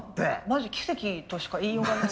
マジ奇跡としか言いようがない。